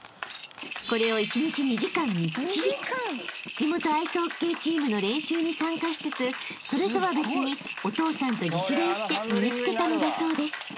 ［地元アイスホッケーチームの練習に参加しつつそれとは別にお父さんと自主練して身に付けたのだそうです］